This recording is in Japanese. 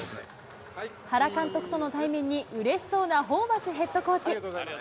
原監督との対面に、うれしそうなホーバスヘッドコーチ。